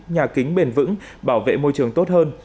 nhà kính bền vững bảo vệ môi trường tốt hơn